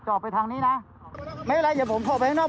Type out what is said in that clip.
ออกไปทางนี้นะไม่เป็นไรเดี๋ยวผมขอไปข้างนอก